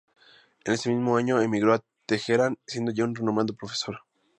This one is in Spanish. En ese mismo año emigró a Teherán, siendo ya un renombrado profesor.